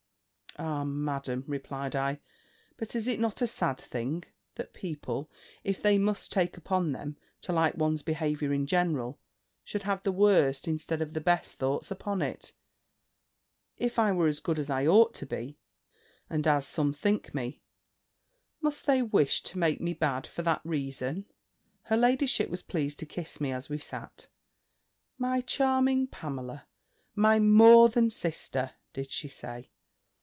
"Ah! Madam," replied I, "but is it not a sad thing, that people, if they must take upon them to like one's behaviour in general, should have the worst, instead of the best thoughts upon it? If I were as good as I ought to be, and as some think me, must they wish to make me bad for that reason?" Her ladyship was pleased to kiss me as we sat. "My charming Pamela, my more than sister,." (Did she say?)